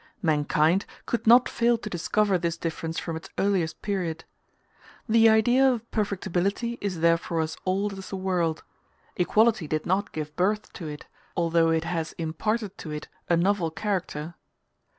Mankind could not fail to discover this difference from its earliest period. The idea of perfectibility is therefore as old as the world; equality did not give birth to it, although it has imparted to it a novel character.